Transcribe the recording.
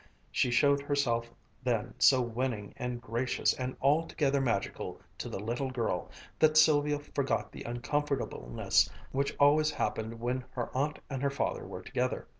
She showed herself then so winning and gracious and altogether magical to the little girl that Sylvia forgot the uncomfortableness which always happened when her aunt and her father were together.